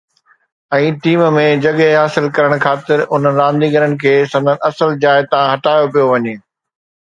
۽ Team ۾ جڳهه حاصل ڪرڻ خاطر انهن رانديگرن کي سندن اصل جاءِ تان هٽايو پيو وڃي.